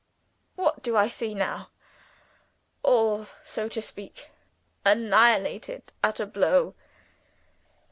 What do I see now? All, so to speak, annihilated at a blow.